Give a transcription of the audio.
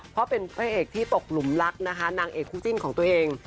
เพราะเป็นพระเอกที่ตกหลุมรักนะคะนางเอกคู่จิ้นของตัวเอง